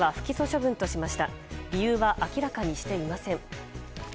理由は明らかにしていません。